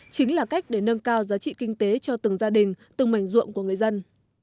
chính là cách để nâng cao giá trị kinh tế cho từng gia đình từng mảnh ruộng của người dân